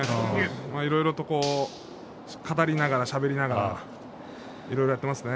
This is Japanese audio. いろいろと語りながらしゃべりながらいろいろやっていますね。